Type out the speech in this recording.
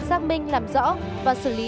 xác minh làm rõ và xử lý